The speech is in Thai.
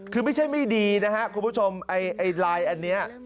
คือไม่ใช่ไม่ดีนะครับคุณผู้ชมไอ้ไลน์อันนี้